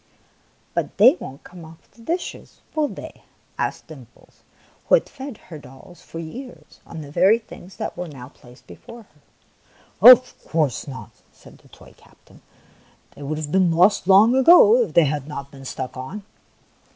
" But they won't come off the dishes, will they ?" asked Dimples, who had fed her dolls for years on the very things that were now placed before her. " Of course not," said the toy captain. " They would have been lost long ago if they had not been stuck on.